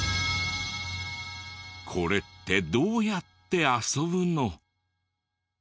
これってどうやって遊ぶの？